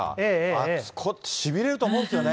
あちこちしびれると思うんですよね。